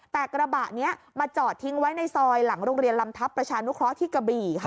แต่กระบะนี้มาจอดทิ้งไว้ในซอยหลังโรงเรียนลำทัพประชานุเคราะห์ที่กระบี่ค่ะ